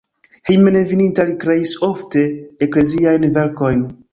Hejmenveninta li kreis ofte ekleziajn verkojn.